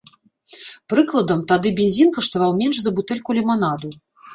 Прыкладам, тады бензін каштаваў менш за бутэльку ліманаду.